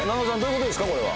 これは。